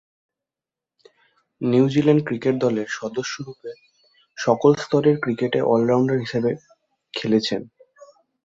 New Zealand cricket দলের সদস্যরূপে সকল স্তরের ক্রিকেটে অল-রাউন্ডার হিসেবে খেলেছেন।